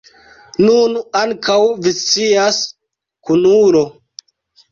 Nun ankaŭ vi scias, kunulo.